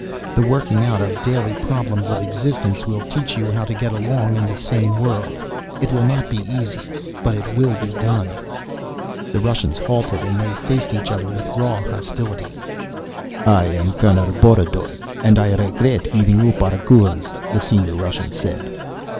The working out of daily problems of existence will teach you how to get along in the same world. It will not be easy, but it will be done." The Russians halted and they faced each other with raw hostility. "I am Colonel Borodoy and I regret giving up our guns," the senior Russian said.